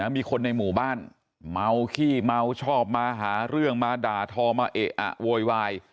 มีคนในหมู่บ้านเมาขี้เมาชอบมาหาเรื่องมาด่าทอมาเอะอะโวยวาย